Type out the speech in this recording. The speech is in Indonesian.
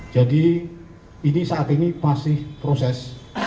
jadi ini saat ini masih proses